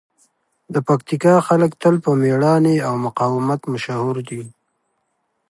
د پکتیکا خلک تل په مېړانې او مقاومت مشهور دي.